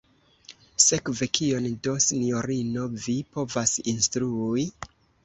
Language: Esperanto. Sekve kion do, sinjorino, vi povas instrui?